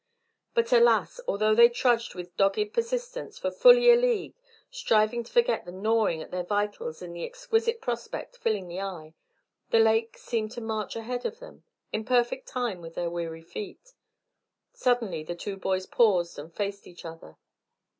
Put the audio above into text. But alas! although they trudged with dogged persistence for fully a league, striving to forget the gnawing at their vitals in the exquisite prospect filling the eye, the lake seemed to march ahead of them, in perfect time with their weary feet. Suddenly the two boys paused and faced each other.